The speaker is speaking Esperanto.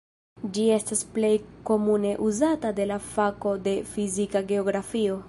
Ĝi estas plej komune uzata en la fako de fizika geografio.